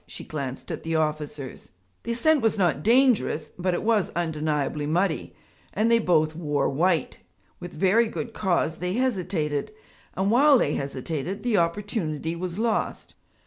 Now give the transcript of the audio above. She glanced at the officers. The ascent was not dangerous, but it was undeniably muddy, and they both wore white; with very good cause they hesitated. And while they hesitated, the opportunity was lost.